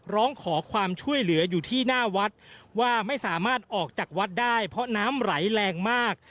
ร้องขอความช่วยเหลืออยู่ที่หน้าวัดว่าไม่สามารถออกจากวัดได้เพราะน้ำไหลแรงมาก